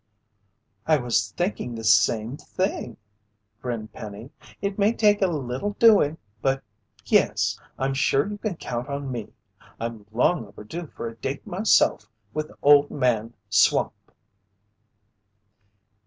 "I was thinking the same thing," grinned Penny. "It may take a little doing but yes, I'm sure you can count on me! I'm long overdue for a date myself with Old Man Swamp!"